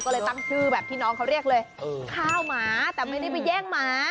ก็เลยตั้งชื่อแบบที่น้องเขาเรียกเลยข้าวหมาแต่ไม่ได้ไปแย่งหมา